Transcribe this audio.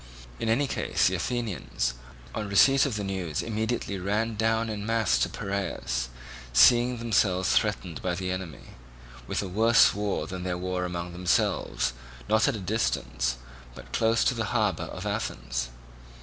In any case the Athenians, on receipt of the news immediately ran down in mass to Piraeus, seeing themselves threatened by the enemy with a worse war than their war among themselves, not at a distance, but close to the harbour of Athens.